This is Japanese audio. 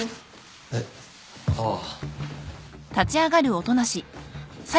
えっ？ああ。